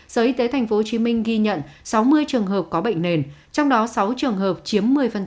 sở y tế tp hcm ghi nhận sáu mươi trường hợp có bệnh nền trong đó sáu trường hợp chiếm một mươi